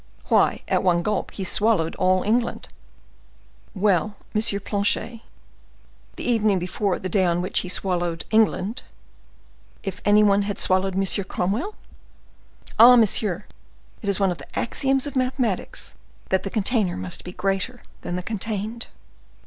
"Why, at one gulp he swallowed all England." "Well, Planchet, the evening before the day on which he swallowed England, if any one had swallowed M. Cromwell?" "Oh, monsieur, it is one of the axioms of mathematics that the container must be greater than the contained."